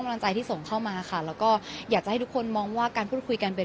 กำลังใจที่ส่งเข้ามาค่ะแล้วก็อยากจะให้ทุกคนมองว่าการพูดคุยกันเป็น